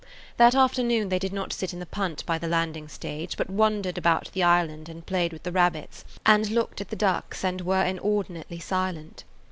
That afternoon they did not sit in the punt by the landing stage, but wandered about the island and played with the rabbits and looked at the ducks and were inordinately silent.